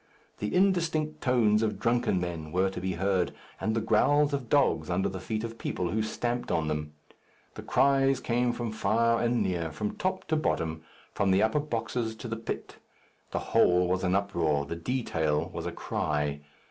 The indistinct tones of drunken men were to be heard, and the growls of dogs under the feet of people who stamped on them. The cries came from far and near, from top to bottom, from the upper boxes to the pit. The whole was an uproar, the detail was a cry.